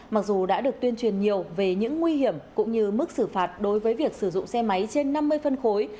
mặc dù đã được tuyên truyền nhiều về những nguy hiểm cũng như mức xử phạt đối với việc sử dụng xe máy trên năm mươi phân khối